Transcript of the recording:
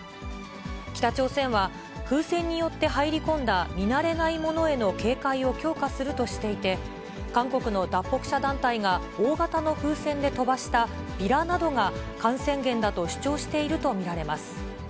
北朝鮮は、風船によって入り込んだ見慣れない物への警戒を強化するとしていて、韓国の脱北者団体が大型の風船で飛ばしたビラなどが感染源だと主張していると見られます。